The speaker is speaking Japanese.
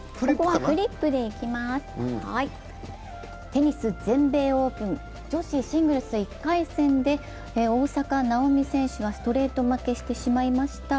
テニス全米オープン、女子シングルス１回戦で大坂なおみ選手がストレート負けしてしまいました。